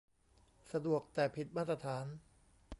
สะดวกแต่ผิดมาตรฐาน